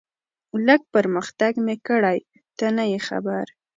لږ پرمختګ مې کړی، ته نه یې خبر.